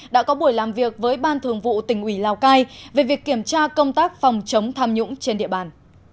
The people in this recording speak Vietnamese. đã có buổi làm việc với ban thường vụ tỉnh ủy lào cai về việc kiểm tra công tác phòng chống tham nhũng trên địa bàn